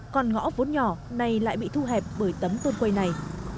còn ngõ vốn nhỏ này lại bị thu hẹp bởi tấm tôn quây này